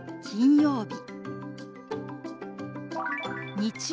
金曜日。